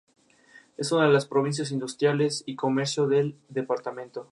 Están dispuestos a cualquier cosa para mejorar, incluso a arriesgar su vida.